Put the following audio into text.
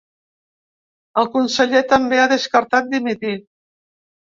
El conseller també ha descartat dimitir.